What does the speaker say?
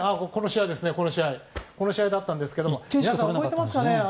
この試合だったんですけど皆さん覚えてますかね。